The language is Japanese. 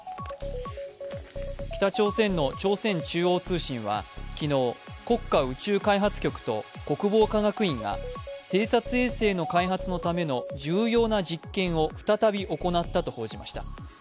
北朝鮮の朝鮮中央通信は昨日、国家宇宙開発局と国防科学院が偵察衛星の開発のための重要な実験を再び行ったと報じました。